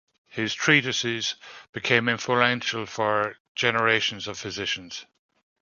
His treatises became influential for generations of physicians.